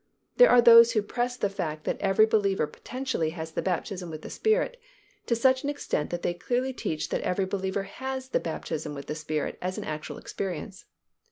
There are those who press the fact that every believer potentially has the baptism with the Spirit, to such an extent that they clearly teach that every believer has the baptism with the Spirit as an actual experience.